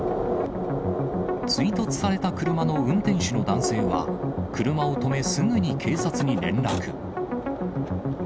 追突された車の運転手の男性は、車を止め、すぐに警察に連絡。